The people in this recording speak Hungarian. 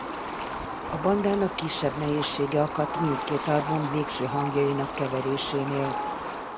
A bandának kisebb nehézsége akadt mindkét album végső hangjainak keverésénél.